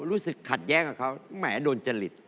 รู้สึกขัดแย้งกับเขาแหมโดนจริต